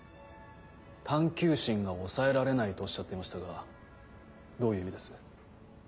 探究心が抑えられないとおっしゃっていましたがどういう意味です？